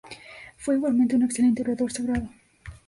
Fue igualmente un excelente orador sagrado.